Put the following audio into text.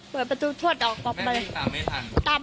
เปิดประตูพวดออกไป